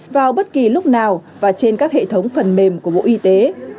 vào bất kỳ lúc nào và trên các hệ thống phần mềm của bộ y tế